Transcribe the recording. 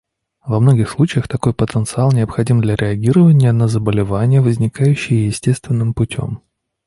Во многих случаях такой потенциал необходим для реагирования на заболевания, возникающие естественным путем.